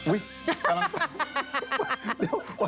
อุ๊ยป่ะล่ะ